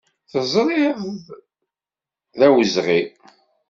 Teẓriḍ d awezɣi.